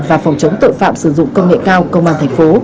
và phòng chống tội phạm sử dụng công nghệ cao công an thành phố